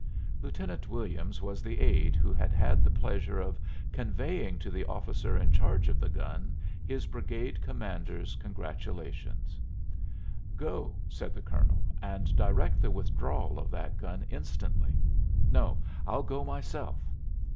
Lieutenant Williams was the aide who had had the pleasure of conveying to the officer in charge of the gun his brigade commander's congratulations. "Go," said the colonel, "and direct the withdrawal of that gun instantly. No I'll go myself."